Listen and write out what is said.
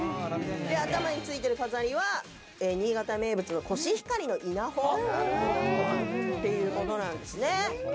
頭についてる飾りは新潟名物、コシヒカリの稲穂っていうものなんですね。